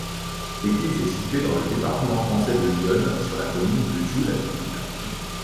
L'église est située dans le département français de l'Yonne, sur la commune de Joux-la-Ville.